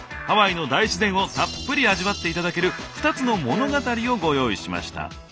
ハワイの大自然をたっぷり味わって頂ける２つの物語をご用意しました。